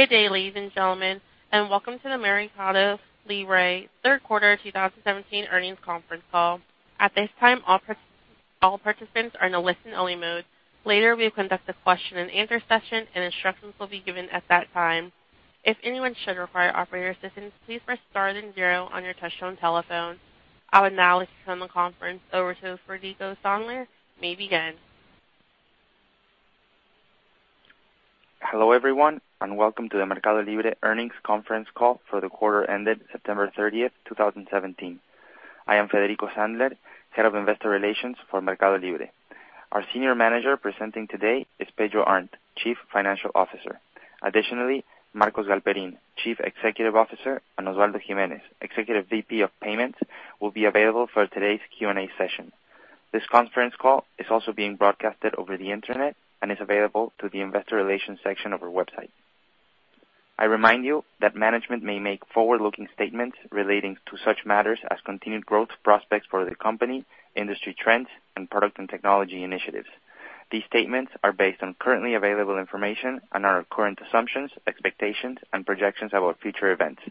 Good day, ladies and gentlemen. Welcome to the MercadoLibre third quarter 2017 earnings conference call. At this time, all participants are in a listen-only mode. Later, we will conduct a question and answer session, and instructions will be given at that time. If anyone should require operator assistance, please press star then zero on your touchtone telephone. I would now like to turn the conference over to Federico Sandler. You may begin. Hello everyone. Welcome to the MercadoLibre earnings conference call for the quarter ended September 30th, 2017. I am Federico Sandler, Head of Investor Relations for MercadoLibre. Our senior manager presenting today is Pedro Arnt, Chief Financial Officer. Additionally, Marcos Galperin, Chief Executive Officer, and Osvaldo Gimenez, Executive VP of Payments, will be available for today's Q&A session. This conference call is also being broadcasted over the internet and is available through the investor relations section of our website. I remind you that management may make forward-looking statements relating to such matters as continued growth prospects for the company, industry trends, product and technology initiatives. These statements are based on currently available information and are our current assumptions, expectations, and projections about future events.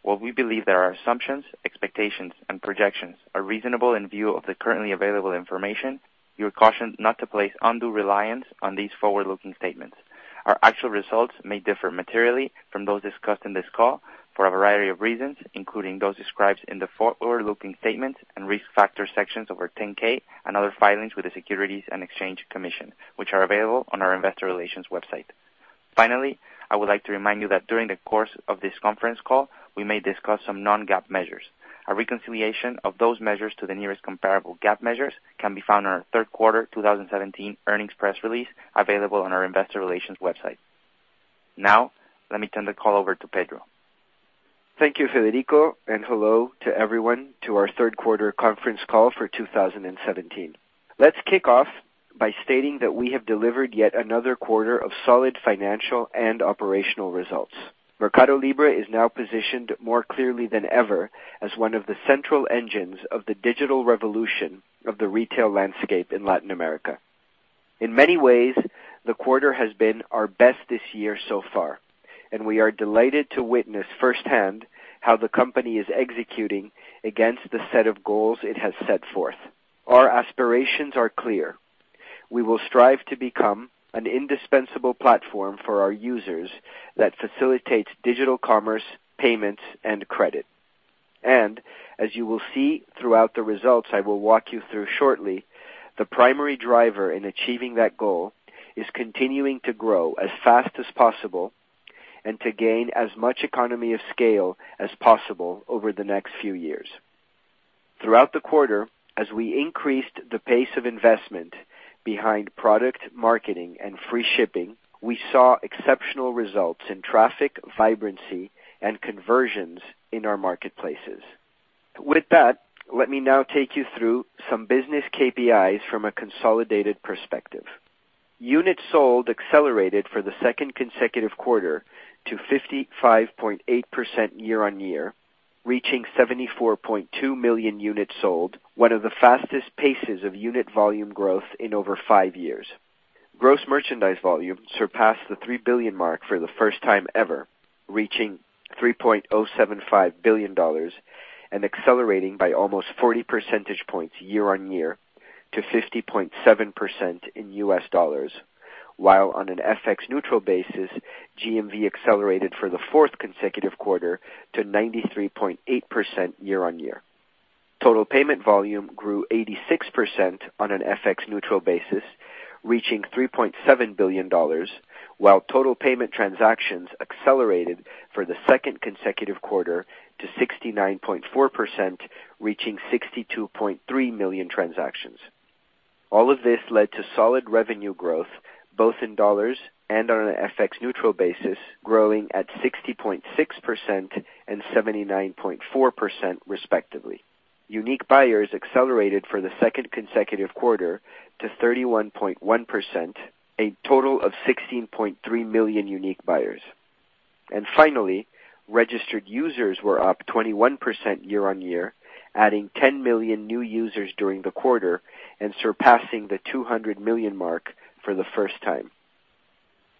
While we believe that our assumptions, expectations, and projections are reasonable in view of the currently available information, you are cautioned not to place undue reliance on these forward-looking statements. Our actual results may differ materially from those discussed on this call for a variety of reasons, including those described in the forward-looking statements and risk factor sections of our 10-K and other filings with the Securities and Exchange Commission, which are available on our investor relations website. Finally, I would like to remind you that during the course of this conference call, we may discuss some non-GAAP measures. A reconciliation of those measures to the nearest comparable GAAP measures can be found on our third quarter 2017 earnings press release, available on our investor relations website. Now, let me turn the call over to Pedro. Thank you, Federico. Hello to everyone to our third quarter conference call for 2017. Let's kick off by stating that we have delivered yet another quarter of solid financial and operational results. MercadoLibre is now positioned more clearly than ever as one of the central engines of the digital revolution of the retail landscape in Latin America. In many ways, the quarter has been our best this year so far. We are delighted to witness firsthand how the company is executing against the set of goals it has set forth. Our aspirations are clear. We will strive to become an indispensable platform for our users that facilitates digital commerce, payments, and credit. As you will see throughout the results I will walk you through shortly, the primary driver in achieving that goal is continuing to grow as fast as possible and to gain as much economy of scale as possible over the next few years. Throughout the quarter, as we increased the pace of investment behind product marketing and free shipping, we saw exceptional results in traffic, vibrancy, and conversions in our marketplaces. With that, let me now take you through some business KPIs from a consolidated perspective. Units sold accelerated for the second consecutive quarter to 55.8% year-on-year, reaching 74.2 million units sold, one of the fastest paces of unit volume growth in over five years. Gross merchandise volume surpassed the $3 billion mark for the first time ever, reaching $3.075 billion and accelerating by almost 40 percentage points year-on-year to 50.7% in US dollars, while on an FX neutral basis, GMV accelerated for the fourth consecutive quarter to 93.8% year-on-year. Total payment volume grew 86% on an FX neutral basis, reaching $3.7 billion, while total payment transactions accelerated for the second consecutive quarter to 69.4%, reaching 62.3 million transactions. All of this led to solid revenue growth both in dollars and on an FX neutral basis, growing at 60.6% and 79.4% respectively. Unique buyers accelerated for the second consecutive quarter to 31.1%, a total of 16.3 million unique buyers. Finally, registered users were up 21% year-on-year, adding 10 million new users during the quarter and surpassing the 200 million mark for the first time.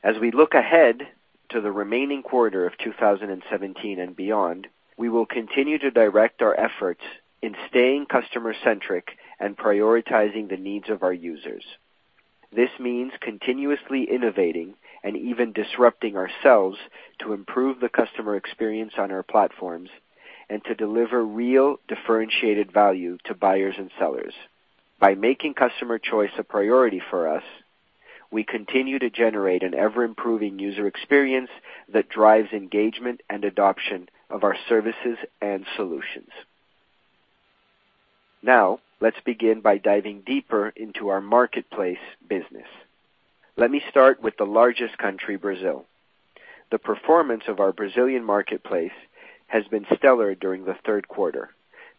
As we look ahead to the remaining quarter of 2017 and beyond, we will continue to direct our efforts in staying customer-centric and prioritizing the needs of our users. This means continuously innovating and even disrupting ourselves to improve the customer experience on our platforms and to deliver real differentiated value to buyers and sellers. By making customer choice a priority for us, we continue to generate an ever-improving user experience that drives engagement and adoption of our services and solutions. Now, let's begin by diving deeper into our marketplace business. Let me start with the largest country, Brazil. The performance of our Brazilian marketplace has been stellar during the third quarter,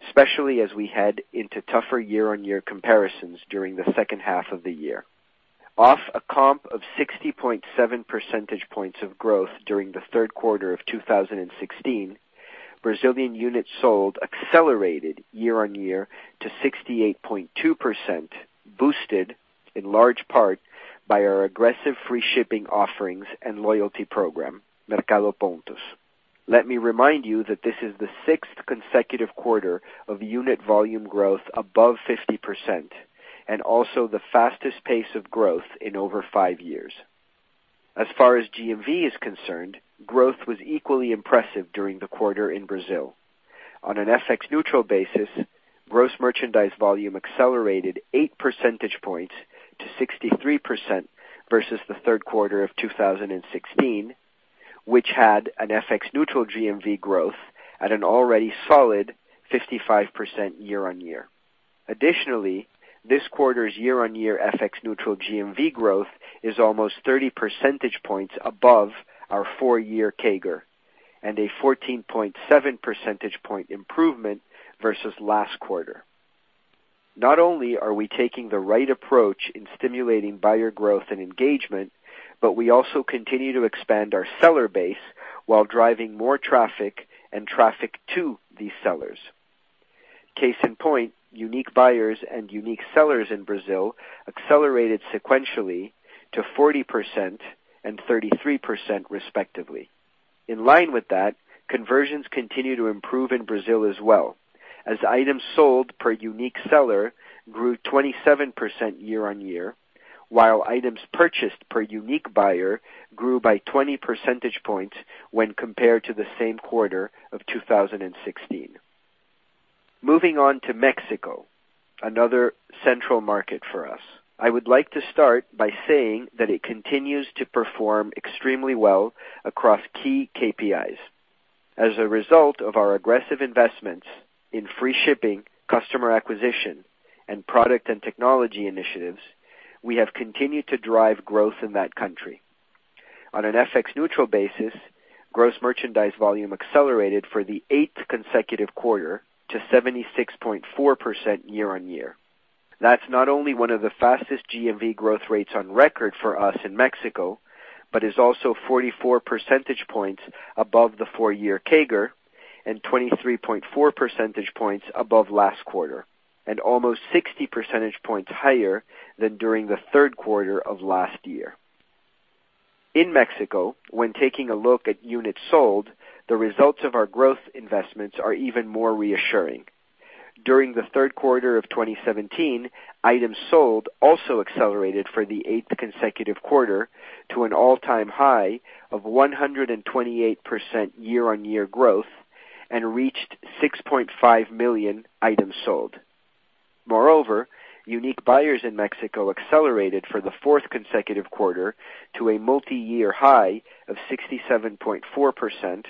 especially as we head into tougher year-on-year comparisons during the second half of the year. Off a comp of 60.7 percentage points of growth during the third quarter of 2016, Brazilian units sold accelerated year-on-year to 68.2%, boosted in large part by our aggressive free shipping offerings and loyalty program, Mercado Pontos. Let me remind you that this is the sixth consecutive quarter of unit volume growth above 50% and also the fastest pace of growth in over five years. As far as GMV is concerned, growth was equally impressive during the quarter in Brazil. On an FX-neutral basis, gross merchandise volume accelerated eight percentage points to 63% versus the third quarter of 2016, which had an FX-neutral GMV growth at an already solid 55% year-on-year. Additionally, this quarter's year-on-year FX-neutral GMV growth is almost 30 percentage points above our four-year CAGR and a 14.7 percentage point improvement versus last quarter. Not only are we taking the right approach in stimulating buyer growth and engagement, but we also continue to expand our seller base while driving more traffic and traffic to these sellers. Case in point, unique buyers and unique sellers in Brazil accelerated sequentially to 40% and 33% respectively. In line with that, conversions continue to improve in Brazil as well as items sold per unique seller grew 27% year-on-year, while items purchased per unique buyer grew by 20 percentage points when compared to the same quarter of 2016. Moving on to Mexico, another central market for us. I would like to start by saying that it continues to perform extremely well across key KPIs. As a result of our aggressive investments in free shipping, customer acquisition, and product and technology initiatives, we have continued to drive growth in that country. On an FX-neutral basis, gross merchandise volume accelerated for the eighth consecutive quarter to 76.4% year-on-year. That's not only one of the fastest GMV growth rates on record for us in Mexico, but is also 44 percentage points above the four-year CAGR and 23.4 percentage points above last quarter, and almost 60 percentage points higher than during the third quarter of last year. In Mexico, when taking a look at units sold, the results of our growth investments are even more reassuring. During the third quarter of 2017, items sold also accelerated for the eighth consecutive quarter to an all-time high of 128% year-on-year growth and reached 6.5 million items sold. Moreover, unique buyers in Mexico accelerated for the fourth consecutive quarter to a multi-year high of 67.4%,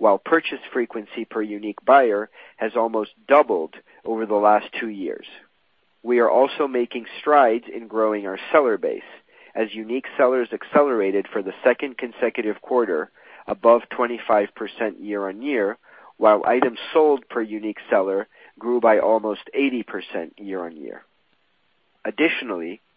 while purchase frequency per unique buyer has almost doubled over the last two years. We are also making strides in growing our seller base as unique sellers accelerated for the second consecutive quarter above 25% year-on-year, while items sold per unique seller grew by almost 80% year-on-year.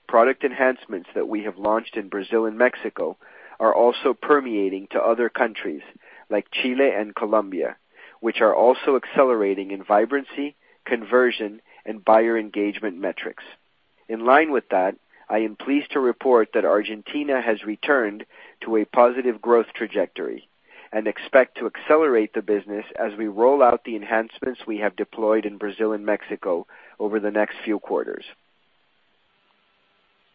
Product enhancements that we have launched in Brazil and Mexico are also permeating to other countries like Chile and Colombia, which are also accelerating in vibrancy, conversion, and buyer engagement metrics. I am pleased to report that Argentina has returned to a positive growth trajectory and expect to accelerate the business as we roll out the enhancements we have deployed in Brazil and Mexico over the next few quarters.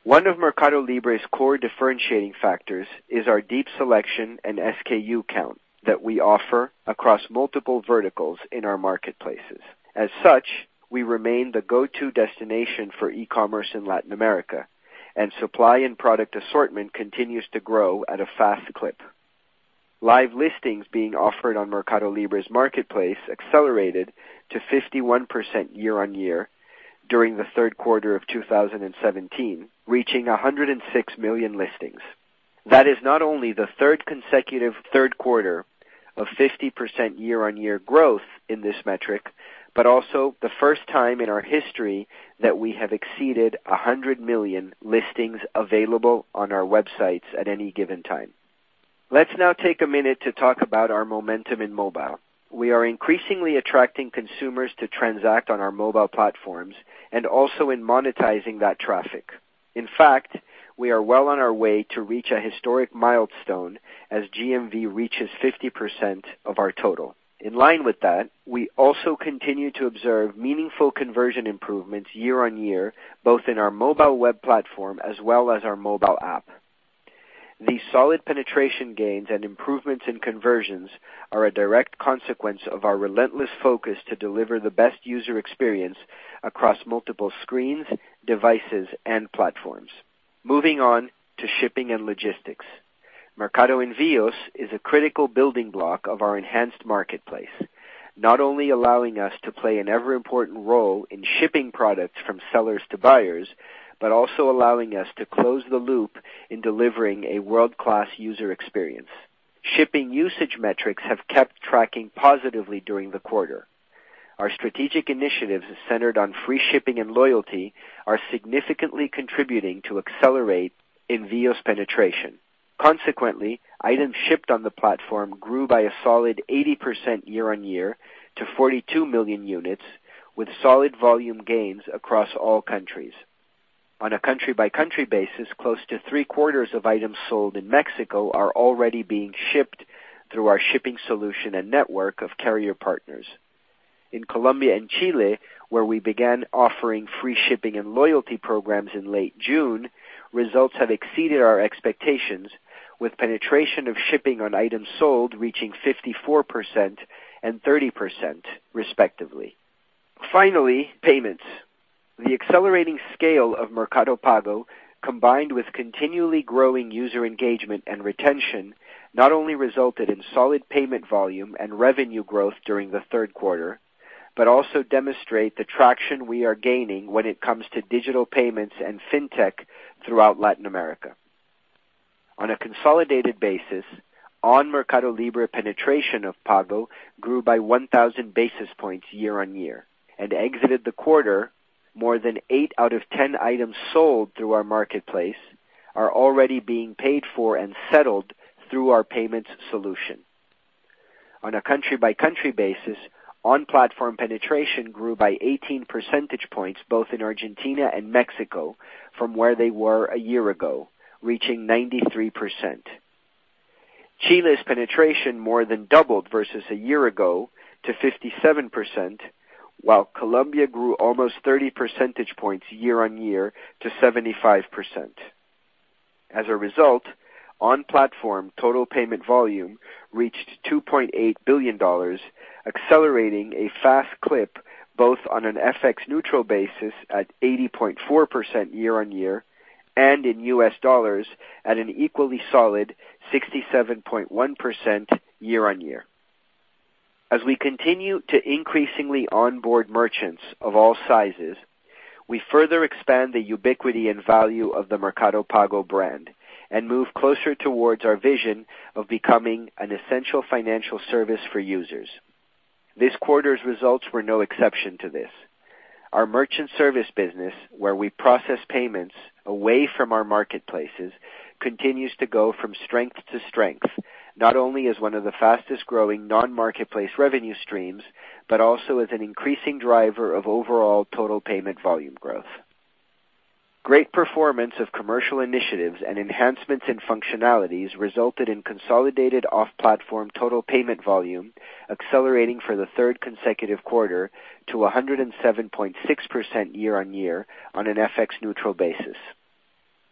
One of MercadoLibre's core differentiating factors is our deep selection and SKU count that we offer across multiple verticals in our marketplaces. We remain the go-to destination for e-commerce in Latin America, and supply and product assortment continues to grow at a fast clip. Live listings being offered on MercadoLibre's marketplace accelerated to 51% year-on-year during the third quarter of 2017, reaching 106 million listings. That is not only the third consecutive third quarter of 50% year-on-year growth in this metric, but also the first time in our history that we have exceeded 100 million listings available on our websites at any given time. Let's now take a minute to talk about our momentum in mobile. We are increasingly attracting consumers to transact on our mobile platforms and also in monetizing that traffic. We are well on our way to reach a historic milestone as GMV reaches 50% of our total. In line with that, we also continue to observe meaningful conversion improvements year-on-year, both in our mobile web platform as well as our mobile app. These solid penetration gains and improvements in conversions are a direct consequence of our relentless focus to deliver the best user experience across multiple screens, devices, and platforms. Moving on to shipping and logistics. Mercado Envios is a critical building block of our enhanced marketplace, not only allowing us to play an ever-important role in shipping products from sellers to buyers, but also allowing us to close the loop in delivering a world-class user experience. Shipping usage metrics have kept tracking positively during the quarter. Our strategic initiatives centered on free shipping and loyalty are significantly contributing to accelerate Envios' penetration. Consequently, items shipped on the platform grew by a solid 80% year-on-year to 42 million units, with solid volume gains across all countries. On a country-by-country basis, close to three-quarters of items sold in Mexico are already being shipped through our shipping solution and network of carrier partners. In Colombia and Chile, where we began offering free shipping and loyalty programs in late June, results have exceeded our expectations, with penetration of shipping on items sold reaching 54% and 30%, respectively. Finally, payments. The accelerating scale of Mercado Pago, combined with continually growing user engagement and retention, not only resulted in solid payment volume and revenue growth during the third quarter, but also demonstrate the traction we are gaining when it comes to digital payments and fintech throughout Latin America. On a consolidated basis, on MercadoLibre penetration of Pago grew by 1,000 basis points year-on-year and exited the quarter more than eight out of 10 items sold through our marketplace are already being paid for and settled through our payments solution. On a country-by-country basis, on-platform penetration grew by 18 percentage points, both in Argentina and Mexico, from where they were a year ago, reaching 93%. Chile's penetration more than doubled versus a year ago to 57%, while Colombia grew almost 30 percentage points year-on-year to 75%. As a result, on-platform total payment volume reached $2.8 billion, accelerating a fast clip both on an FX neutral basis at 80.4% year-on-year and in US dollars at an equally solid 67.1% year-on-year. As we continue to increasingly onboard merchants of all sizes, we further expand the ubiquity and value of the Mercado Pago brand and move closer towards our vision of becoming an essential financial service for users. This quarter's results were no exception to this. Our merchant service business, where we process payments away from our marketplaces, continues to go from strength to strength, not only as one of the fastest-growing non-marketplace revenue streams, but also as an increasing driver of overall total payment volume growth. Great performance of commercial initiatives and enhancements in functionalities resulted in consolidated off-platform total payment volume accelerating for the third consecutive quarter to 107.6% year-on-year on an FX neutral basis.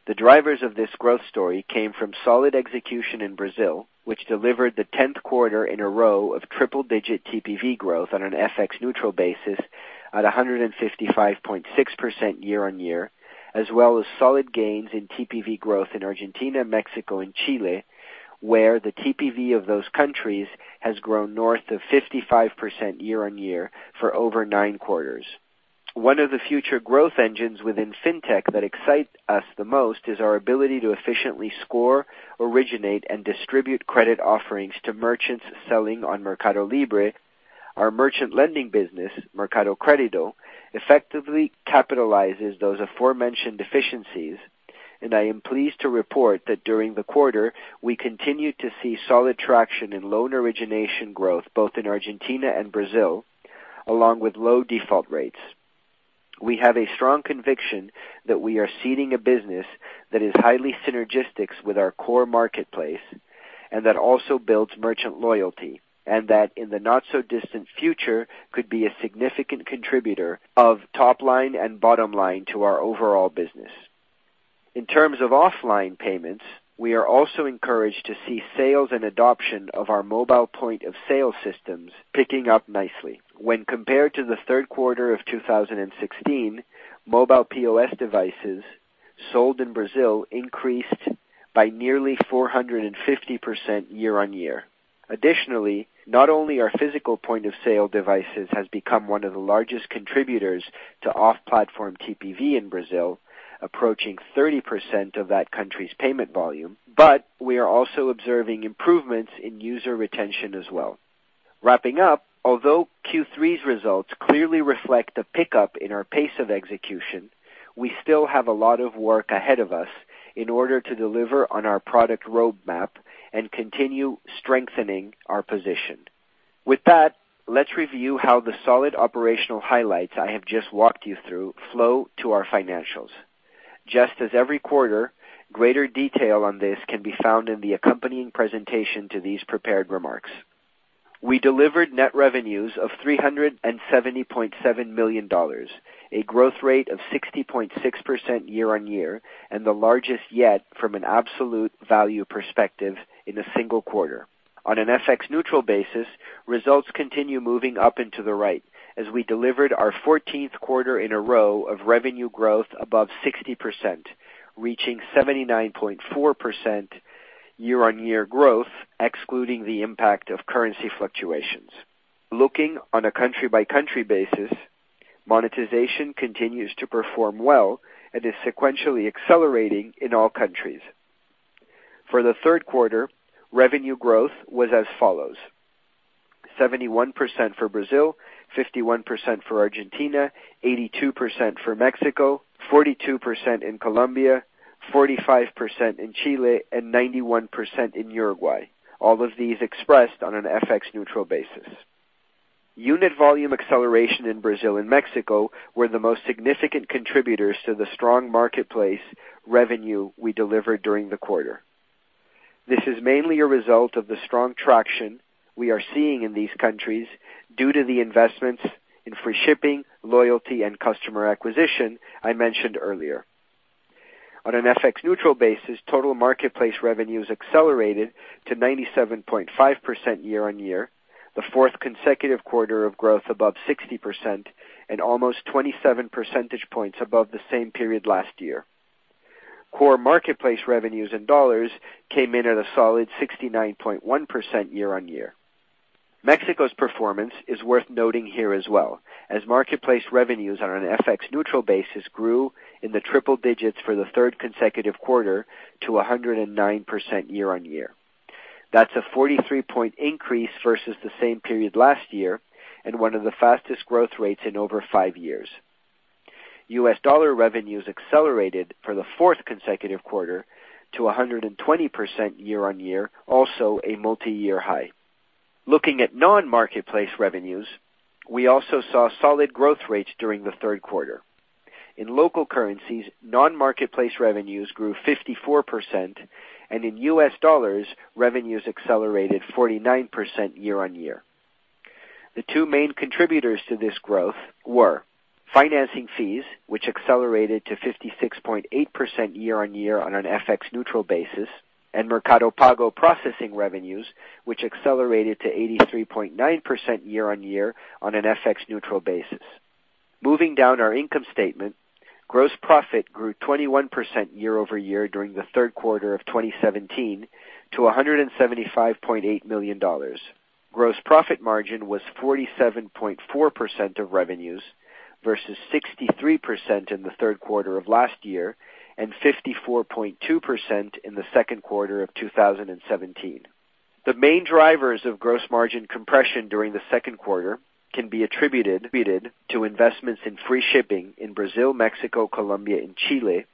The drivers of this growth story came from solid execution in Brazil, which delivered the 10th quarter in a row of triple-digit TPV growth on an FX neutral basis at 155.6% year-on-year, as well as solid gains in TPV growth in Argentina, Mexico, and Chile, where the TPV of those countries has grown north of 55% year-on-year for over nine quarters. One of the future growth engines within fintech that excite us the most is our ability to efficiently score, originate, and distribute credit offerings to merchants selling on MercadoLibre. Our merchant lending business, Mercado Crédito, effectively capitalizes those aforementioned efficiencies, and I am pleased to report that during the quarter, we continued to see solid traction in loan origination growth, both in Argentina and Brazil, along with low default rates. We have a strong conviction that we are seeding a business that is highly synergistic with our core marketplace and that also builds merchant loyalty, and that in the not-so-distant future could be a significant contributor of top line and bottom line to our overall business. In terms of offline payments, we are also encouraged to see sales and adoption of our mobile Point of Sale systems picking up nicely. When compared to the third quarter of 2016, mobile POS devices sold in Brazil increased by nearly 450% year-on-year. Additionally, not only our physical Point of Sale devices has become one of the largest contributors to off-platform TPV in Brazil, approaching 30% of that country's payment volume, but we are also observing improvements in user retention as well. Wrapping up, although Q3's results clearly reflect a pickup in our pace of execution, we still have a lot of work ahead of us in order to deliver on our product roadmap and continue strengthening our position. With that, let's review how the solid operational highlights I have just walked you through flow to our financials. Just as every quarter, greater detail on this can be found in the accompanying presentation to these prepared remarks. We delivered net revenues of $370.7 million, a growth rate of 60.6% year-on-year, and the largest yet from an absolute value perspective in a single quarter. On an FX neutral basis, results continue moving up and to the right as we delivered our 14th quarter in a row of revenue growth above 60%, reaching 79.4% year-on-year growth, excluding the impact of currency fluctuations. Looking on a country-by-country basis, monetization continues to perform well and is sequentially accelerating in all countries. For the third quarter, revenue growth was as follows: 71% for Brazil, 51% for Argentina, 82% for Mexico, 42% in Colombia, 45% in Chile, and 91% in Uruguay. All of these expressed on an FX neutral basis. Unit volume acceleration in Brazil and Mexico were the most significant contributors to the strong marketplace revenue we delivered during the quarter. This is mainly a result of the strong traction we are seeing in these countries due to the investments in free shipping, loyalty, and customer acquisition I mentioned earlier. On an FX neutral basis, total marketplace revenues accelerated to 97.5% year-on-year, the fourth consecutive quarter of growth above 60%, and almost 27 percentage points above the same period last year. Core marketplace revenues in dollars came in at a solid 69.1% year-on-year. Mexico's performance is worth noting here as well, as marketplace revenues on an FX neutral basis grew in the triple digits for the third consecutive quarter to 109% year-on-year. That's a 43-point increase versus the same period last year and one of the fastest growth rates in over five years. U.S. dollar revenues accelerated for the fourth consecutive quarter to 120% year-on-year, also a multi-year high. Looking at non-marketplace revenues, we also saw solid growth rates during the third quarter. In local currencies, non-marketplace revenues grew 54%, and in U.S. dollars, revenues accelerated 49% year-on-year. The two main contributors to this growth were financing fees, which accelerated to 56.8% year-on-year on an FX neutral basis, and Mercado Pago processing revenues, which accelerated to 83.9% year-on-year on an FX neutral basis. Moving down our income statement, gross profit grew 21% year-over-year during the third quarter of 2017 to $175.8 million. Gross profit margin was 47.4% of revenues versus 63% in the third quarter of last year and 54.2% in the second quarter of 2017. The main drivers of gross margin compression during the second quarter can be attributed to investments in free shipping in Brazil, Mexico, Colombia, and Chile,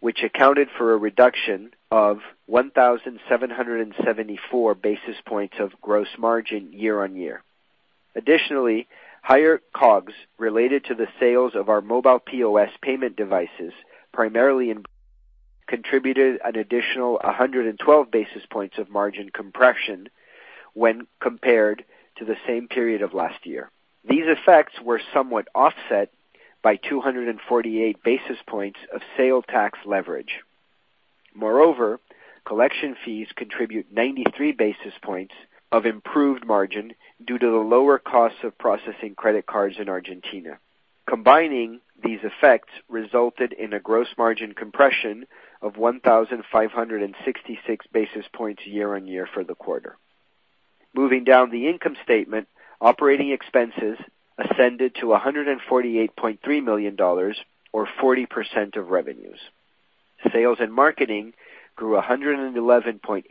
which accounted for a reduction of 1,774 basis points of gross margin year-on-year. Additionally, higher COGS related to the sales of our mobile POS payment devices primarily contributed an additional 112 basis points of margin compression when compared to the same period of last year. These effects were somewhat offset by 248 basis points of sales tax leverage. Moreover, collection fees contribute 93 basis points of improved margin due to the lower cost of processing credit cards in Argentina. Combining these effects resulted in a gross margin compression of 1,566 basis points year-on-year for the quarter. Moving down the income statement, operating expenses ascended to $148.3 million or 40% of revenues. Sales and marketing grew 111.8%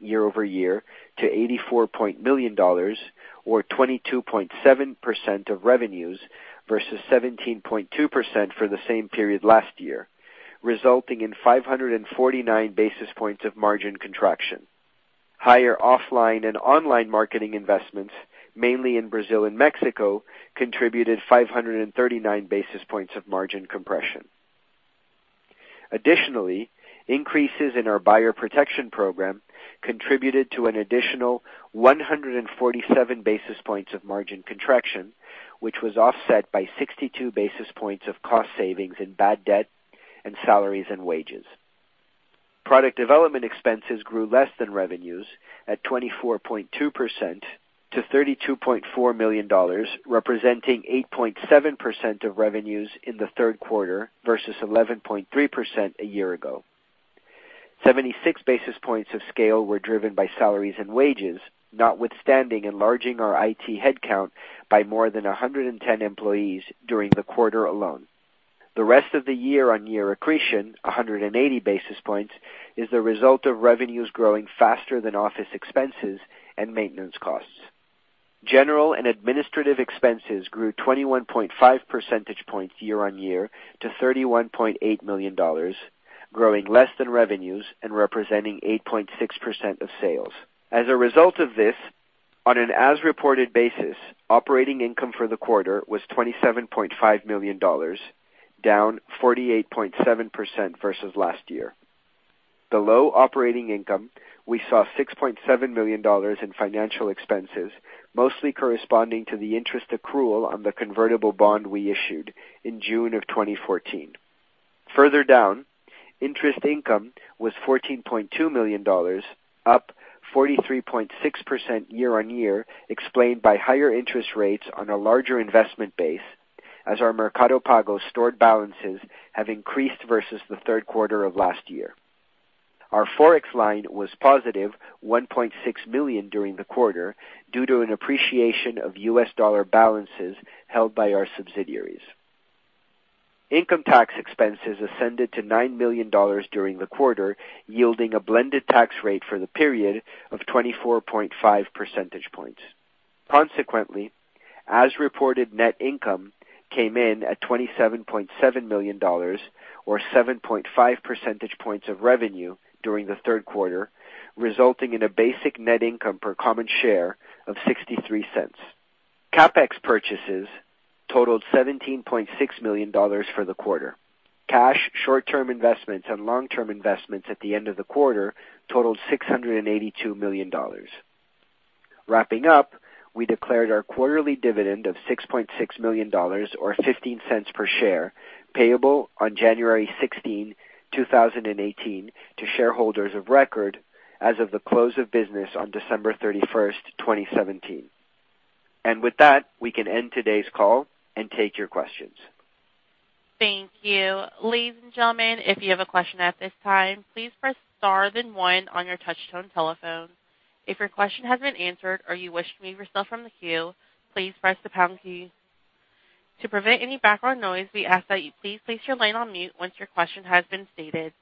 year-over-year to $84 million, or 22.7% of revenues versus 17.2% for the same period last year, resulting in 549 basis points of margin contraction. Higher offline and online marketing investments, mainly in Brazil and Mexico, contributed 539 basis points of margin compression. Additionally, increases in our buyer protection program contributed to an additional 147 basis points of margin contraction, which was offset by 62 basis points of cost savings in bad debt and salaries and wages. Product development expenses grew less than revenues at 24.2% to $32.4 million, representing 8.7% of revenues in the third quarter versus 11.3% a year ago. 76 basis points of scale were driven by salaries and wages, notwithstanding enlarging our IT headcount by more than 110 employees during the quarter alone. The rest of the year-on-year accretion, 180 basis points, is the result of revenues growing faster than office expenses and maintenance costs. General and administrative expenses grew 21.5 percent points year-on-year to $31.8 million, growing less than revenues and representing 8.6% of sales. As a result of this, on an as-reported basis, operating income for the quarter was $27.5 million, down 48.7% versus last year. Below operating income, we saw $6.7 million in financial expenses, mostly corresponding to the interest accrual on the convertible bond we issued in June of 2014. Further down, interest income was $14.2 million, up 43.6% year-on-year, explained by higher interest rates on a larger investment base as our Mercado Pago stored balances have increased versus the third quarter of last year. Our Forex line was positive $1.6 million during the quarter due to an appreciation of U.S. dollar balances held by our subsidiaries. Income tax expenses ascended to $9 million during the quarter, yielding a blended tax rate for the period of 24.5 percentage points. Consequently, as reported, net income came in at $27.7 million, or 7.5 percentage points of revenue during the third quarter, resulting in a basic net income per common share of $0.63. CapEx purchases totaled $17.6 million for the quarter. Cash short-term investments and long-term investments at the end of the quarter totaled $682 million. Wrapping up, we declared our quarterly dividend of $6.6 million, or $0.15 per share, payable on January 16, 2018, to shareholders of record as of the close of business on December 31st, 2017. With that, we can end today's call and take your questions. Thank you. Ladies and gentlemen, if you have a question at this time, please press star then one on your touch tone telephone. If your question has been answered or you wish to remove yourself from the queue, please press the pound key. To prevent any background noise, we ask that you please place your line on mute once your question has been stated.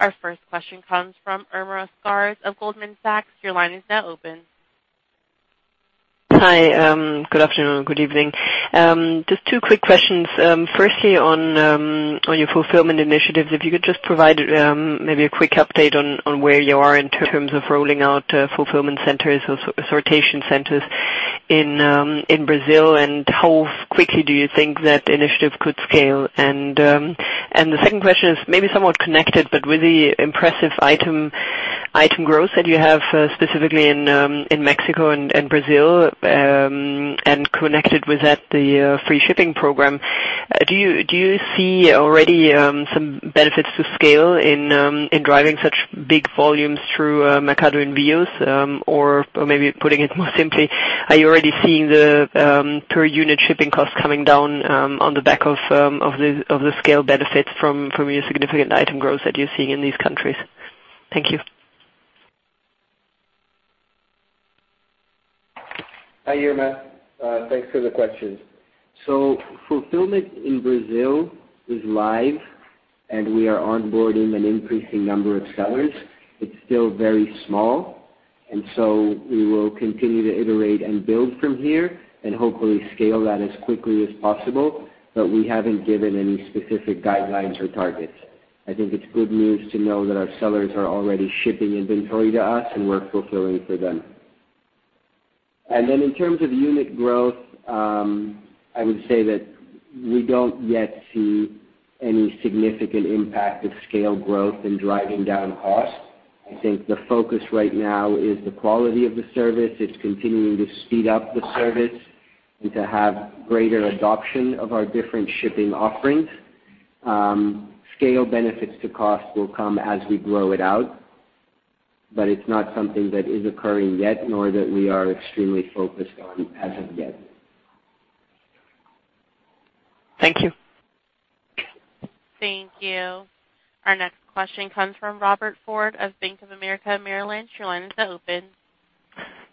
Our first question comes from Irma Sgarz of Goldman Sachs. Your line is now open. Hi. Good afternoon. Good evening. Just two quick questions. Firstly, on your fulfillment initiatives, if you could just provide maybe a quick update on where you are in terms of rolling out fulfillment centers or sortation centers in Brazil, and how quickly do you think that initiative could scale? The second question is maybe somewhat connected, but with the impressive item growth that you have, specifically in Mexico and Brazil, and connected with that, the free shipping program, do you see already some benefits to scale in driving such big volumes through Mercado Envios? Or maybe putting it more simply, are you already seeing the per-unit shipping cost coming down on the back of the scale benefits from your significant item growth that you're seeing in these countries? Thank you. Hi, Irma. Thanks for the questions. Fulfillment in Brazil is live, and we are onboarding an increasing number of sellers. It's still very small. We will continue to iterate and build from here and hopefully scale that as quickly as possible. We haven't given any specific guidelines or targets. I think it's good news to know that our sellers are already shipping inventory to us, and we're fulfilling for them. In terms of unit growth, I would say that we don't yet see any significant impact of scale growth in driving down cost. I think the focus right now is the quality of the service. It's continuing to speed up the service and to have greater adoption of our different shipping offerings. Scale benefits to cost will come as we grow it out, but it's not something that is occurring yet, nor that we are extremely focused on as of yet. Thank you. Thank you. Our next question comes from Robert Ford of Bank of America Merrill Lynch. Your line is now open.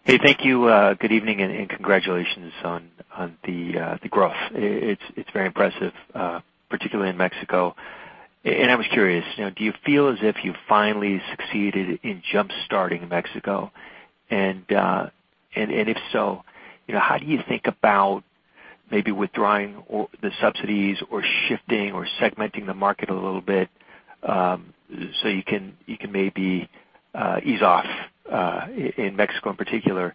Hey, thank you. Good evening, congratulations on the growth. It's very impressive, particularly in Mexico. I was curious, do you feel as if you finally succeeded in jump-starting Mexico? If so, how do you think about maybe withdrawing the subsidies or shifting or segmenting the market a little bit, so you can maybe ease off in Mexico in particular?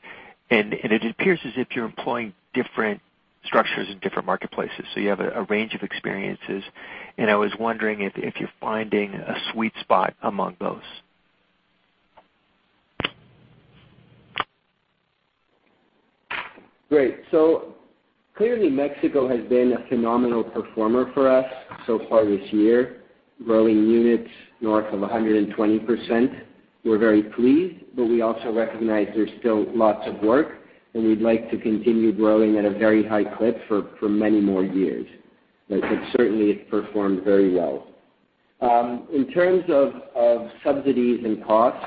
It appears as if you're employing different structures in different marketplaces, so you have a range of experiences, and I was wondering if you're finding a sweet spot among those. Great. Clearly Mexico has been a phenomenal performer for us so far this year, growing units north of 120%. We're very pleased. We also recognize there's still lots of work, and we'd like to continue growing at a very high clip for many more years. It certainly has performed very well. In terms of subsidies and costs,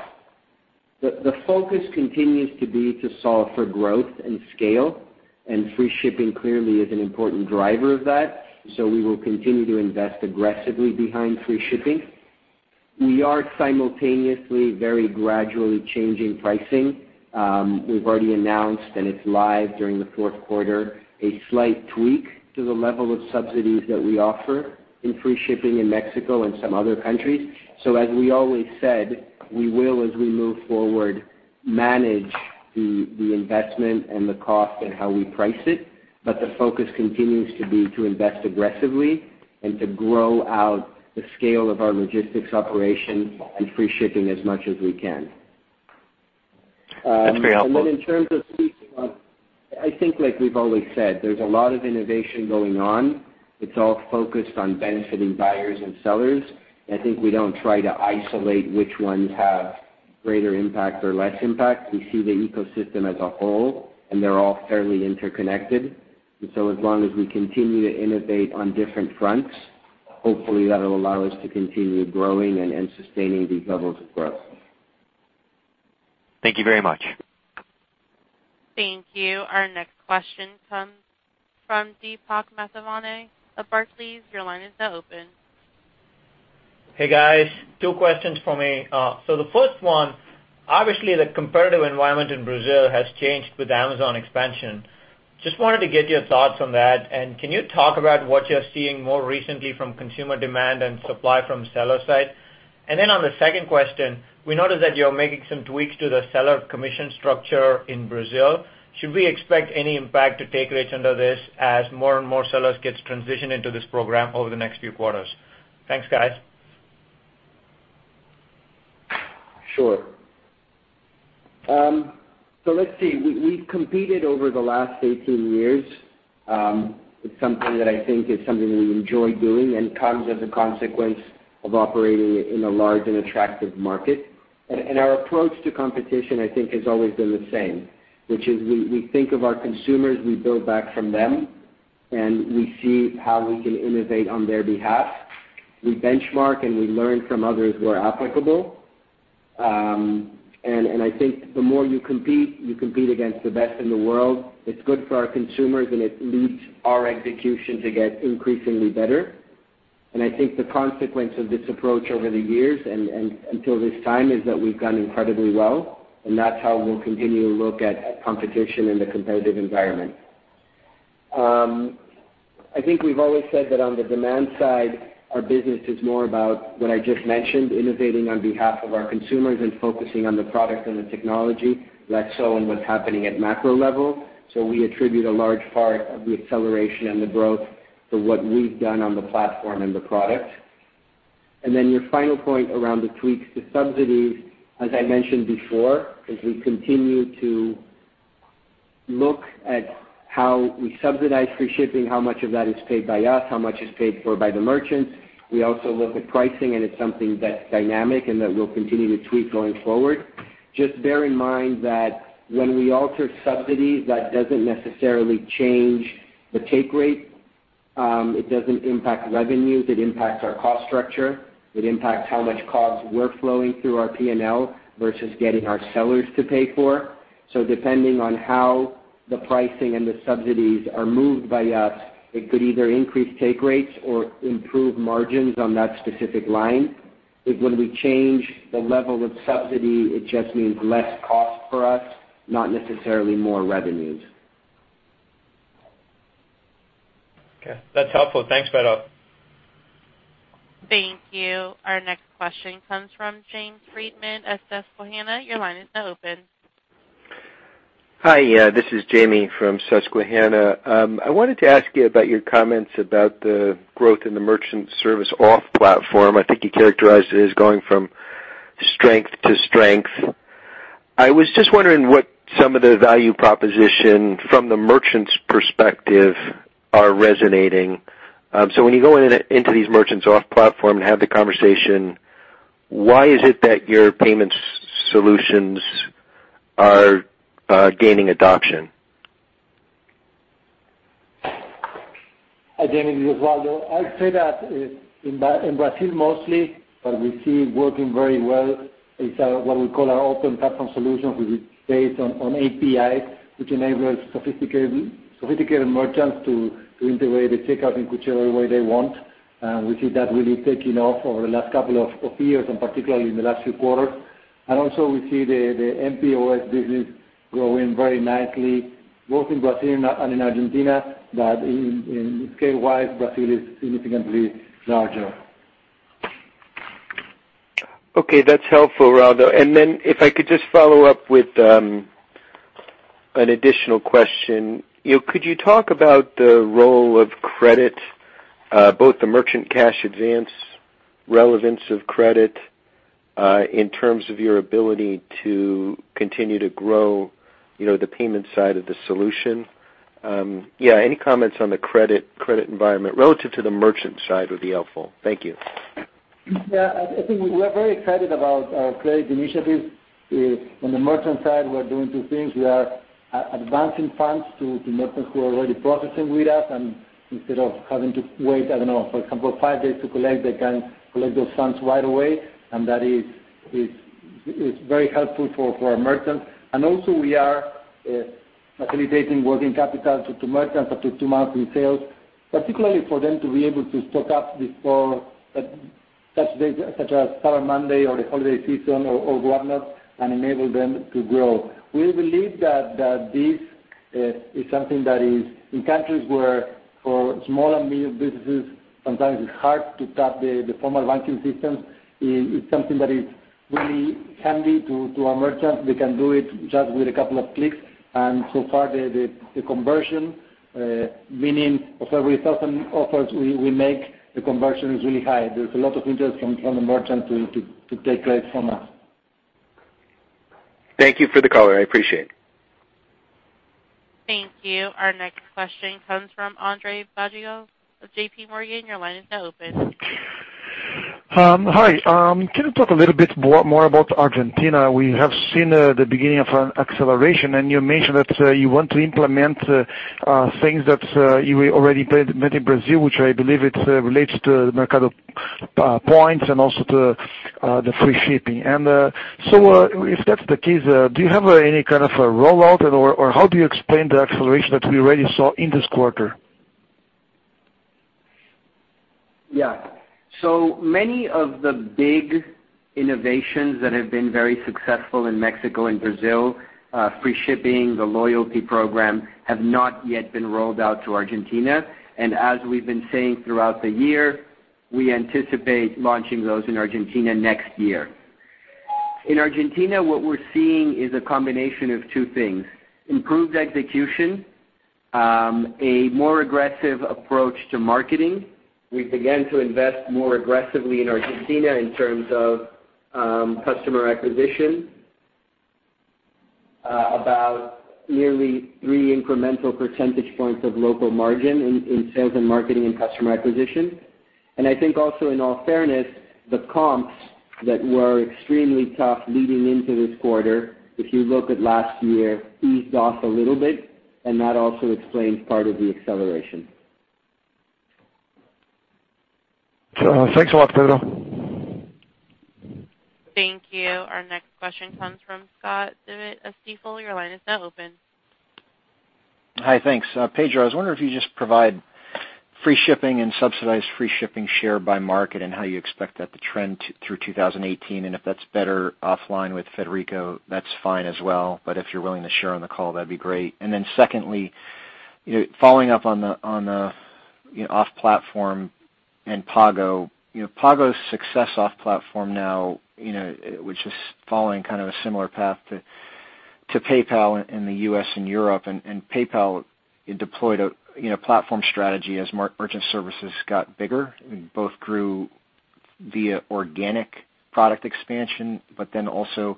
the focus continues to be to solve for growth and scale, and free shipping clearly is an important driver of that. We will continue to invest aggressively behind free shipping. We are simultaneously very gradually changing pricing. We've already announced, and it's live during the fourth quarter, a slight tweak to the level of subsidies that we offer in free shipping in Mexico and some other countries. As we always said, we will, as we move forward, manage the investment and the cost and how we price it. The focus continues to be to invest aggressively and to grow out the scale of our logistics operation and free shipping as much as we can. That's very helpful. In terms of I think, like we've always said, there's a lot of innovation going on. It's all focused on benefiting buyers and sellers. I think we don't try to isolate which ones have greater impact or less impact. We see the ecosystem as a whole, and they're all fairly interconnected. As long as we continue to innovate on different fronts, hopefully that'll allow us to continue growing and sustaining these levels of growth. Thank you very much. Thank you. Our next question comes from Deepak Mathivanan of Barclays. Your line is now open. Hey, guys. Two questions for me. The first one, obviously, the competitive environment in Brazil has changed with Amazon expansion. Just wanted to get your thoughts on that. Can you talk about what you're seeing more recently from consumer demand and supply from seller side? On the second question, we noticed that you're making some tweaks to the seller commission structure in Brazil. Should we expect any impact to take rates under this as more and more sellers gets transitioned into this program over the next few quarters? Thanks, guys. Sure. Let's see. We've competed over the last 18 years. It's something that I think is something we enjoy doing and comes as a consequence of operating in a large and attractive market. Our approach to competition, I think, has always been the same, which is we think of our consumers, we build back from them, and we see how we can innovate on their behalf. We benchmark, and we learn from others where applicable. I think the more you compete, you compete against the best in the world. It's good for our consumers, and it leads our execution to get increasingly better. I think the consequence of this approach over the years and until this time is that we've done incredibly well, and that's how we'll continue to look at competition in the competitive environment. I think we've always said that on the demand side, our business is more about what I just mentioned, innovating on behalf of our consumers and focusing on the product and the technology, less so on what's happening at macro level. We attribute a large part of the acceleration and the growth to what we've done on the platform and the product. Your final point around the tweaks to subsidies, as I mentioned before, as we continue to look at how we subsidize free shipping, how much of that is paid by us, how much is paid for by the merchants. We also look at pricing, and it's something that's dynamic and that we'll continue to tweak going forward. Just bear in mind that when we alter subsidies, that doesn't necessarily change the take rate. It doesn't impact revenues. It impacts our cost structure. It impacts how much costs we're flowing through our P&L versus getting our sellers to pay for. Depending on how the pricing and the subsidies are moved by us, it could either increase take rates or improve margins on that specific line. If when we change the level of subsidy, it just means less cost for us, not necessarily more revenues. Okay. That's helpful. Thanks, Pedro. Thank you. Our next question comes from James Friedman of Susquehanna. Your line is now open. Hi. This is Jamie from Susquehanna. I wanted to ask you about your comments about the growth in the merchant service off-platform. I think you characterized it as going from strength to strength. I was just wondering what some of the value proposition from the merchant's perspective are resonating. When you go into these merchants off-platform and have the conversation, why is it that your payments solutions are gaining adoption? Hi, Jamie. This is Waldo. I'd say that in Brazil mostly, but we see it working very well, it's what we call our open platform solutions, which is based on API, which enables sophisticated merchants to integrate the checkout in whichever way they want. We see that really taking off over the last couple of years, particularly in the last few quarters. We see the mPOS business growing very nicely, both in Brazil and in Argentina, but in scale-wise, Brazil is significantly larger. Okay, that's helpful, Waldo. If I could just follow up with an additional question. Could you talk about the role of credit both the merchant cash advance relevance of credit, in terms of your ability to continue to grow the payment side of the solution? Any comments on the credit environment relative to the merchant side would be helpful. Thank you. I think we are very excited about our credit initiatives. On the merchant side, we are doing two things. We are advancing funds to merchants who are already processing with us, instead of having to wait, I don't know, for example, five days to collect, they can collect those funds right away. That is very helpful for our merchants. We are facilitating working capital to merchants up to two months in sales, particularly for them to be able to stock up before such days such as Cyber Monday or the holiday season or whatnot, and enable them to grow. We believe that this is something that is in countries where for small and medium businesses, sometimes it's hard to tap the formal banking systems. It's something that is really handy to our merchants. They can do it just with a couple of clicks. So far, the conversion, meaning of every 1,000 offers we make, the conversion is really high. There's a lot of interest from the merchants to take credit from us. Thank you for the color. I appreciate it. Thank you. Our next question comes from Andre Badji of J.P. Morgan. Your line is now open. Hi. Can you talk a little bit more about Argentina? We have seen the beginning of an acceleration, and you mentioned that you want to implement things that you already implemented in Brazil, which I believe it relates to Mercado Pontos and also the free shipping. If that's the case, do you have any kind of a rollout or how do you explain the acceleration that we already saw in this quarter? Yeah. Many of the big innovations that have been very successful in Mexico and Brazil, free shipping, the loyalty program, have not yet been rolled out to Argentina. As we've been saying throughout the year, we anticipate launching those in Argentina next year. In Argentina, what we're seeing is a combination of two things, improved execution, a more aggressive approach to marketing. We began to invest more aggressively in Argentina in terms of customer acquisition, about nearly three incremental percentage points of local margin in sales and marketing and customer acquisition. I think also in all fairness, the comps that were extremely tough leading into this quarter, if you look at last year, eased off a little bit, and that also explains part of the acceleration. Thanks a lot, Pedro. Thank you. Our next question comes from Scott Devitt of Stifel. Your line is now open. Hi, thanks. Pedro, I was wondering if you just provide free shipping and subsidized free shipping share by market, and how you expect that to trend through 2018, and if that's better offline with Federico, that's fine as well. If you're willing to share on the call, that'd be great. Secondly, following up on the off-platform and Pago. Pago's success off platform now, which is following kind of a similar path to PayPal in the U.S. and Europe. PayPal deployed a platform strategy as merchant services got bigger. Both grew via organic product expansion, also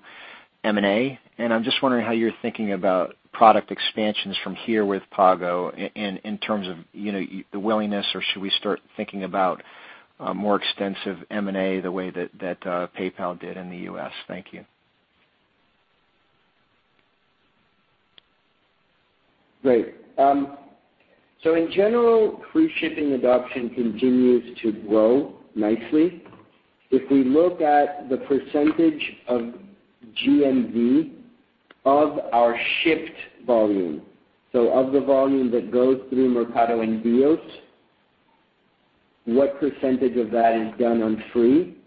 M&A. I'm just wondering how you're thinking about product expansions from here with Pago in terms of the willingness, or should we start thinking about more extensive M&A the way that PayPal did in the U.S.? Thank you. Great. In general, free shipping adoption continues to grow nicely. If we look at the percentage of GMV of our shipped volume, of the volume that goes through Mercado Envios, what percentage of that is done on free?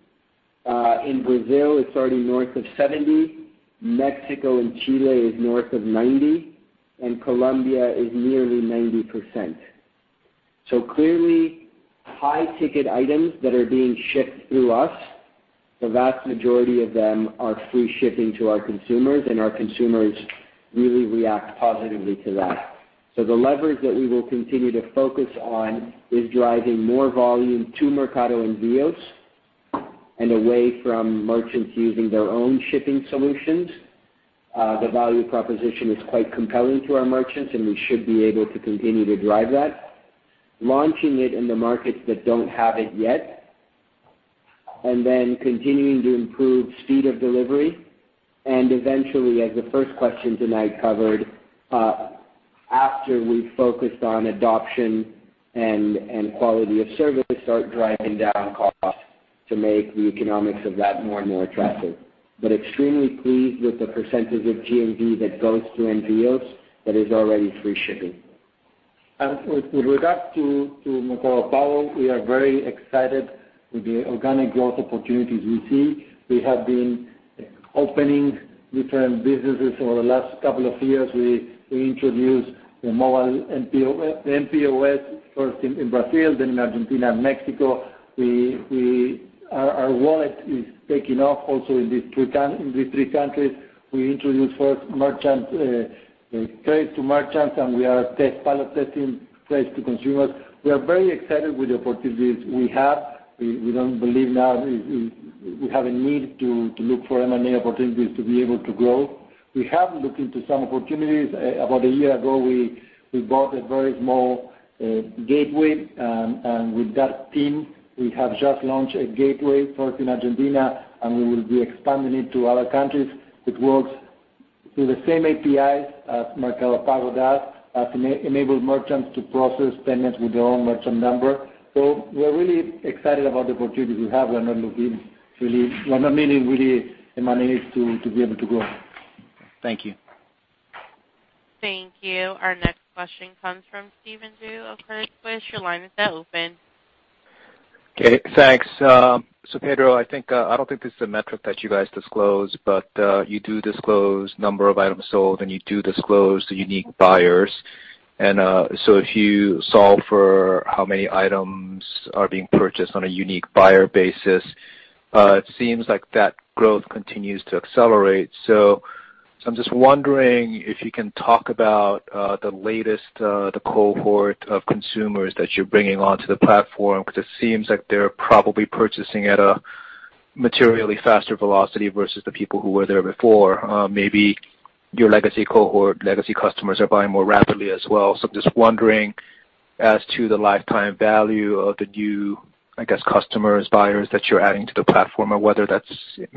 In Brazil, it's already north of 70%. Mexico and Chile is north of 90%, and Colombia is nearly 90%. Clearly, high-ticket items that are being shipped through us, the vast majority of them are free shipping to our consumers, and our consumers really react positively to that. The leverage that we will continue to focus on is driving more volume to Mercado Envios and away from merchants using their own shipping solutions. The value proposition is quite compelling to our merchants, and we should be able to continue to drive that. Launching it in the markets that don't have it yet, then continuing to improve speed of delivery. Eventually, as the first question tonight covered, after we've focused on adoption and quality of service, start driving down costs to make the economics of that more and more attractive. Extremely pleased with the percentage of GMV that goes through Envios that is already free shipping. With regard to Mercado Pago, we are very excited with the organic growth opportunities we see. We have been opening different businesses over the last couple of years. We introduced the mobile mPOS first in Brazil, then in Argentina and Mexico. Our wallet is taking off also in these three countries. We introduced first merchants, credit to merchants, and we are pilot testing credit to consumers. We are very excited with the opportunities we have. We don't believe now we have a need to look for M&A opportunities to be able to grow. We have looked into some opportunities. About a year ago, we bought a very small gateway. With that team, we have just launched a gateway, first in Argentina, and we will be expanding it to other countries. It works through the same APIs as Mercado Pago does, enable merchants to process payments with their own merchant number. We're really excited about the opportunities we have. We're not needing really the monies to be able to grow. Thank you. Thank you. Our next question comes from Stephen Ju of Credit Suisse. Your line is now open. Okay, thanks. Pedro, I don't think this is a metric that you guys disclose, but you do disclose number of items sold, and you do disclose the unique buyers. If you solve for how many items are being purchased on a unique buyer basis, it seems like that growth continues to accelerate. I'm just wondering if you can talk about the latest cohort of consumers that you're bringing onto the platform, because it seems like they're probably purchasing at a materially faster velocity versus the people who were there before. Maybe your legacy cohort, legacy customers are buying more rapidly as well. Just wondering as to the lifetime value of the new, I guess, customers, buyers that you're adding to the platform, or whether that's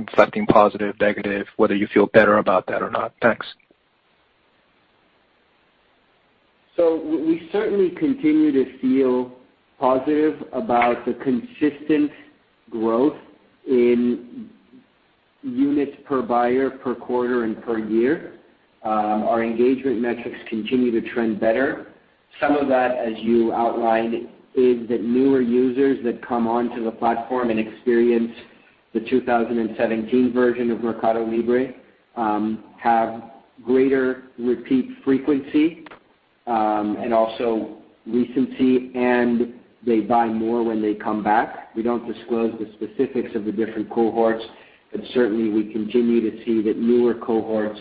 affecting positive, negative, whether you feel better about that or not. Thanks. We certainly continue to feel positive about the consistent growth in units per buyer per quarter and per year. Our engagement metrics continue to trend better. Some of that, as you outlined, is that newer users that come onto the platform and experience the 2017 version of MercadoLibre have greater repeat frequency, and also recency, and they buy more when they come back. We don't disclose the specifics of the different cohorts, but certainly we continue to see that newer cohorts,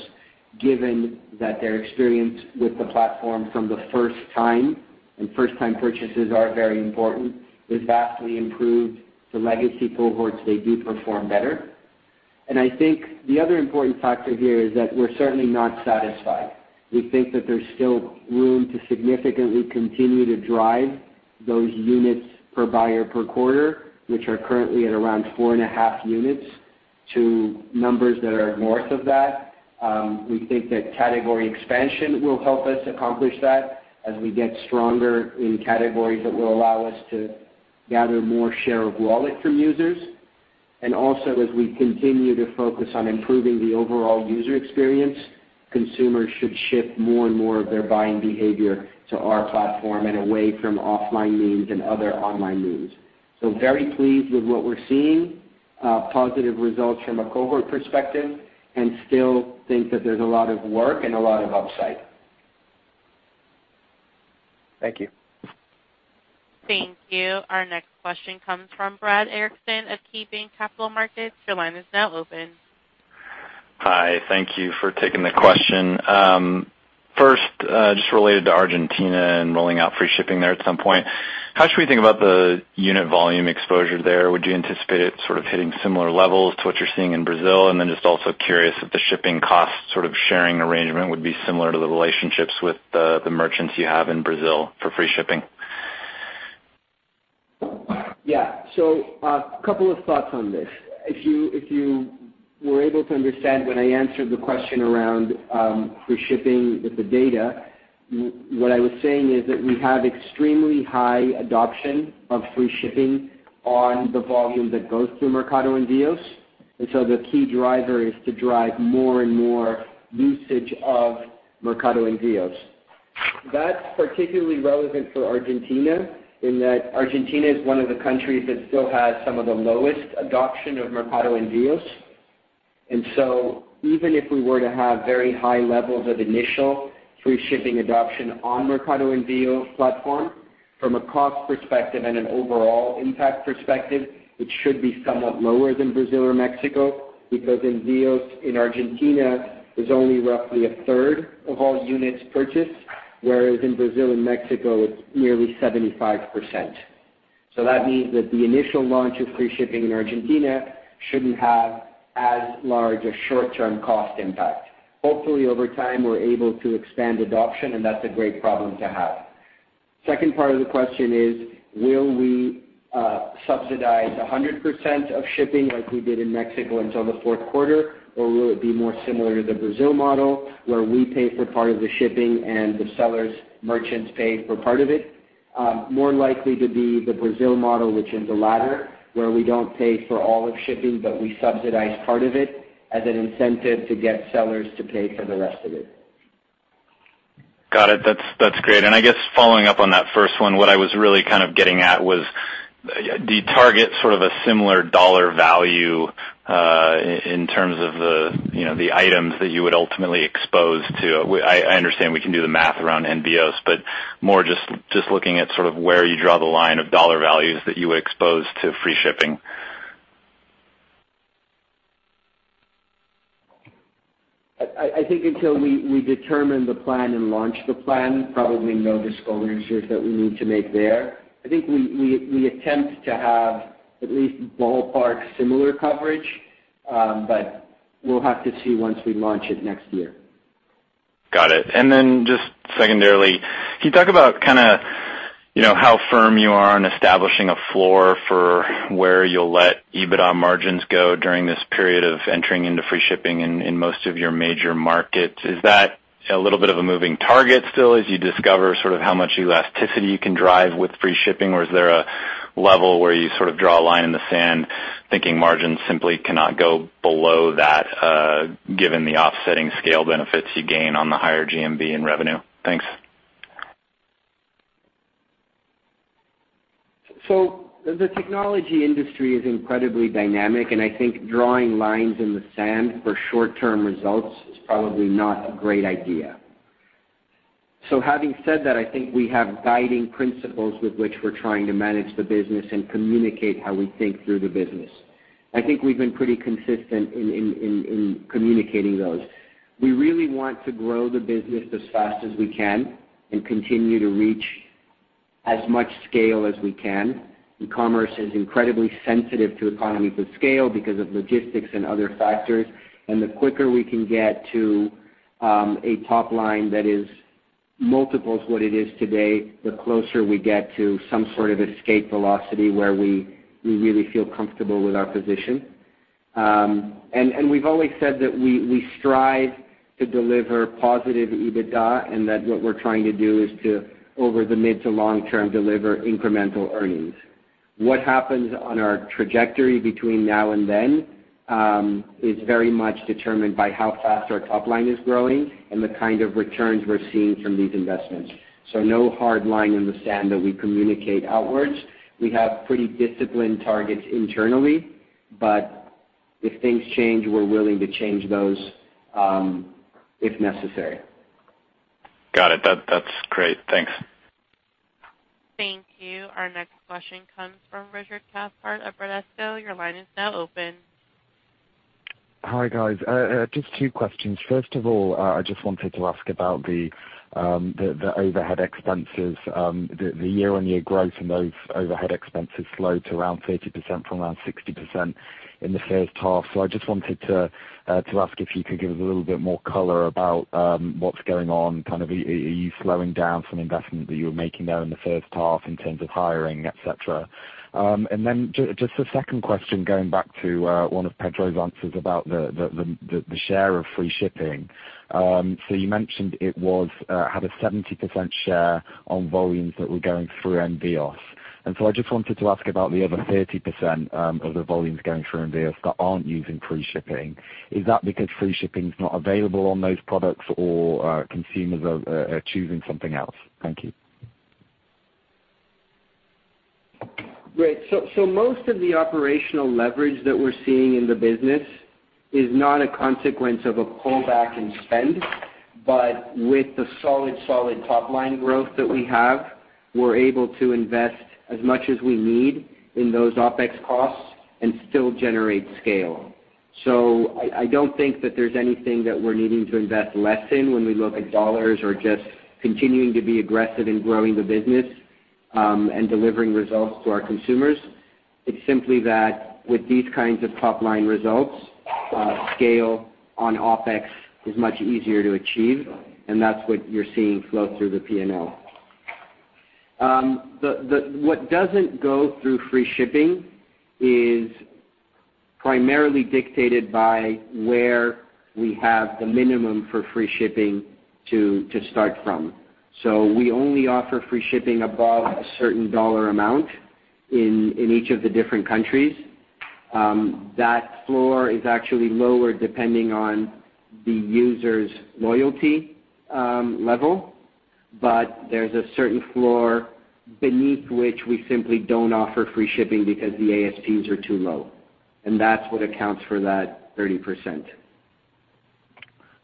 given that their experience with the platform from the first time, and first-time purchases are very important, is vastly improved. The legacy cohorts, they do perform better. I think the other important factor here is that we're certainly not satisfied. We think that there's still room to significantly continue to drive those units per buyer per quarter, which are currently at around four and a half units, to numbers that are north of that. We think that category expansion will help us accomplish that as we get stronger in categories that will allow us to gather more share of wallet from users. Also, as we continue to focus on improving the overall user experience, consumers should shift more and more of their buying behavior to our platform and away from offline means and other online means. Very pleased with what we're seeing, positive results from a cohort perspective, and still think that there's a lot of work and a lot of upside. Thank you. Thank you. Our next question comes from Brad Erickson of KeyBanc Capital Markets. Your line is now open. Hi. Thank you for taking the question. First, just related to Argentina and rolling out free shipping there at some point, how should we think about the unit volume exposure there? Would you anticipate it sort of hitting similar levels to what you're seeing in Brazil? Then just also curious if the shipping cost sharing arrangement would be similar to the relationships with the merchants you have in Brazil for free shipping. A couple of thoughts on this. If you were able to understand when I answered the question around free shipping with the data, what I was saying is that we have extremely high adoption of free shipping on the volume that goes through Mercado Envios. The key driver is to drive more and more usage of Mercado Envios. That's particularly relevant for Argentina in that Argentina is one of the countries that still has some of the lowest adoption of Mercado Envios. Even if we were to have very high levels of initial free shipping adoption on Mercado Envios platform, from a cost perspective and an overall impact perspective, it should be somewhat lower than Brazil or Mexico because Envios in Argentina is only roughly a third of all units purchased, whereas in Brazil and Mexico, it's nearly 75%. That means that the initial launch of free shipping in Argentina shouldn't have as large a short-term cost impact. Hopefully, over time, we're able to expand adoption, and that's a great problem to have. Second part of the question is, will we subsidize 100% of shipping like we did in Mexico until the fourth quarter, or will it be more similar to the Brazil model where we pay for part of the shipping and the sellers, merchants pay for part of it? More likely to be the Brazil model, which is the latter, where we don't pay for all of shipping, but we subsidize part of it as an incentive to get sellers to pay for the rest of it. Got it. That's great. I guess following up on that first one, what I was really kind of getting at was, do you target sort of a similar dollar value, in terms of the items that you would ultimately expose to? I understand we can do the math around Envios, but more just looking at sort of where you draw the line of dollar values that you would expose to free shipping. I think until we determine the plan and launch the plan, probably no disclosures that we need to make there. I think we attempt to have at least ballpark similar coverage, but we'll have to see once we launch it next year. Got it. Just secondarily, can you talk about how firm you are on establishing a floor for where you'll let EBITDA margins go during this period of entering into free shipping in most of your major markets? Is that a little bit of a moving target still as you discover sort of how much elasticity you can drive with free shipping? Or is there a level where you sort of draw a line in the sand thinking margins simply cannot go below that given the offsetting scale benefits you gain on the higher GMV and revenue? Thanks. The technology industry is incredibly dynamic, and I think drawing lines in the sand for short-term results is probably not a great idea. Having said that, I think we have guiding principles with which we're trying to manage the business and communicate how we think through the business. I think we've been pretty consistent in communicating those. We really want to grow the business as fast as we can and continue to reach as much scale as we can. E-commerce is incredibly sensitive to economies of scale because of logistics and other factors. The quicker we can get to a top line that is multiples what it is today, the closer we get to some sort of escape velocity where we really feel comfortable with our position. We've always said that we strive to deliver positive EBITDA, and that what we're trying to do is to, over the mid to long term, deliver incremental earnings. What happens on our trajectory between now and then is very much determined by how fast our top line is growing and the kind of returns we're seeing from these investments. No hard line in the sand that we communicate outwards. We have pretty disciplined targets internally, but if things change, we're willing to change those if necessary. Got it. That's great. Thanks. Thank you. Our next question comes from Richard Cathcart of Bradesco. Your line is now open. Hi, guys. Just two questions. First of all, I just wanted to ask about the overhead expenses. The year-on-year growth in those overhead expenses slowed to around 30% from around 60% in the first half. I just wanted to ask if you could give us a little bit more color about what's going on. Are you slowing down from investments that you were making there in the first half in terms of hiring, et cetera? Just a second question, going back to one of Pedro's answers about the share of free shipping. You mentioned it had a 70% share on volumes that were going through Mercado Envios. I just wanted to ask about the other 30% of the volumes going through Mercado Envios that aren't using free shipping. Is that because free shipping is not available on those products, or consumers are choosing something else? Thank you. Great. Most of the operational leverage that we're seeing in the business is not a consequence of a pullback in spend. With the solid top-line growth that we have, we're able to invest as much as we need in those OpEx costs and still generate scale. I don't think that there's anything that we're needing to invest less in when we look at dollars or just continuing to be aggressive in growing the business and delivering results to our consumers. It's simply that with these kinds of top-line results, scale on OpEx is much easier to achieve, and that's what you're seeing flow through the P&L. What doesn't go through free shipping is primarily dictated by where we have the minimum for free shipping to start from. We only offer free shipping above a certain dollar amount in each of the different countries. That floor is actually lower depending on the user's loyalty level, but there's a certain floor beneath which we simply don't offer free shipping because the ASPs are too low, and that's what accounts for that 30%.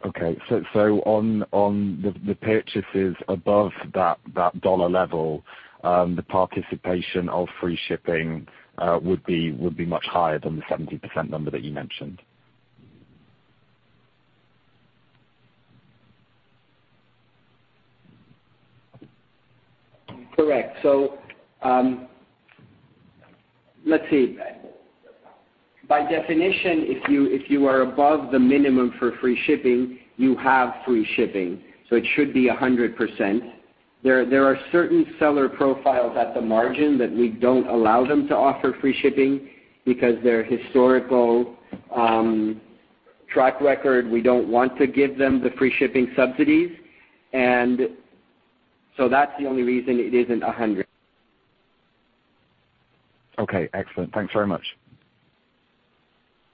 Okay. On the purchases above that dollar level, the participation of free shipping would be much higher than the 70% number that you mentioned? Correct. Let's see. By definition, if you are above the minimum for free shipping, you have free shipping. It should be 100%. There are certain seller profiles at the margin that we don't allow them to offer free shipping because their historical track record, we don't want to give them the free shipping subsidies. That's the only reason it isn't 100%. Okay, excellent. Thanks very much.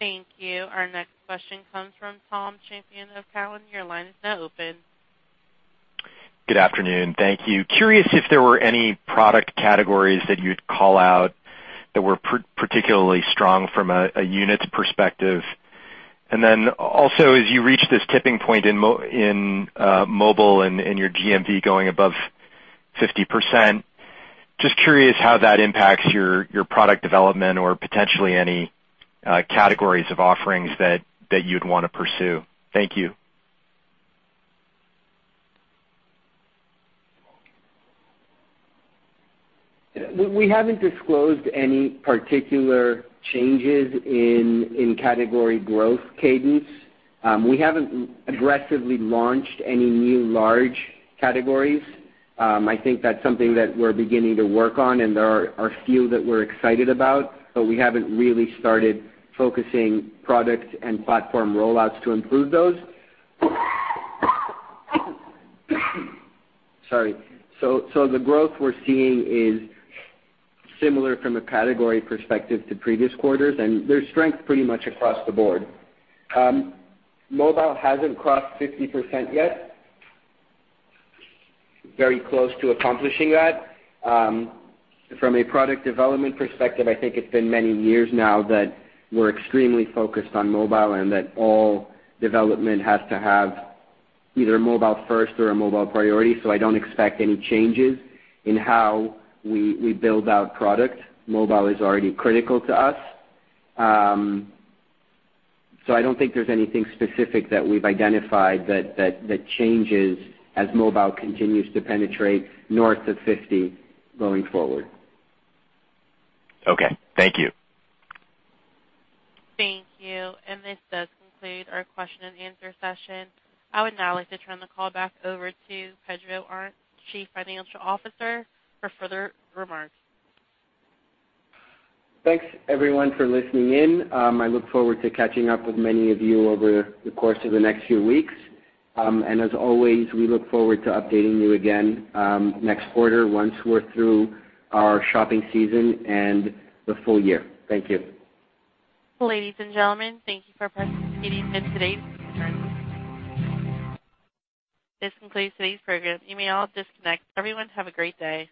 Thank you. Our next question comes from Thomas Champion of Cowen. Your line is now open. Good afternoon. Thank you. Curious if there were any product categories that you'd call out that were particularly strong from a units perspective. Also, as you reach this tipping point in mobile and your GMV going above 50%, just curious how that impacts your product development or potentially any categories of offerings that you'd want to pursue. Thank you. We haven't disclosed any particular changes in category growth cadence. We haven't aggressively launched any new large categories. I think that's something that we're beginning to work on, and there are a few that we're excited about, but we haven't really started focusing products and platform rollouts to improve those. Sorry. The growth we're seeing is similar from a category perspective to previous quarters, and there's strength pretty much across the board. Mobile hasn't crossed 50% yet. Very close to accomplishing that. From a product development perspective, I think it's been many years now that we're extremely focused on mobile and that all development has to have either a mobile first or a mobile priority, so I don't expect any changes in how we build out product. Mobile is already critical to us. I don't think there's anything specific that we've identified that changes as mobile continues to penetrate north of 50 going forward. Okay. Thank you. Thank you. This does conclude our question and answer session. I would now like to turn the call back over to Pedro Arnt, Chief Financial Officer, for further remarks. Thanks, everyone for listening in. I look forward to catching up with many of you over the course of the next few weeks. As always, we look forward to updating you again next quarter once we're through our shopping season and the full year. Thank you. Ladies and gentlemen, thank you for participating in today's conference. This concludes today's program. You may all disconnect. Everyone have a great day.